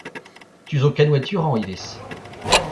Tu zo kenweturañ ivez.